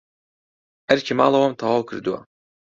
ئەرکی ماڵەوەم تەواو کردووە.